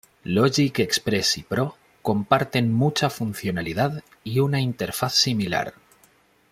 Logic Express y Pro comparten mucha funcionalidad y una interfaz similar.